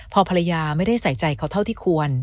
พอภรรยาไม่ได้ใส่ใจเขาเท่าที่ควร